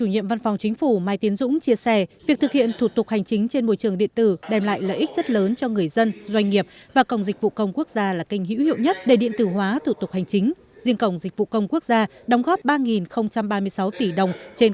hội nghị trực tuyến giới thiệu cổng dịch vụ công quốc gia và phục vụ hiệu quả cho doanh nghiệp